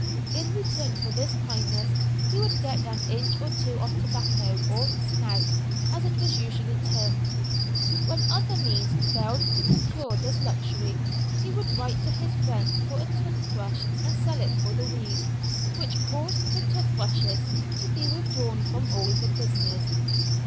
In return for this kindness he would get an inch or two of tobacco, or "snout," as it was usually termed. When other means failed to procure this luxury, he would write to his friends for a toothbrush and sell it for the weed, which caused the toothbrushes to be withdrawn from all the prisoners.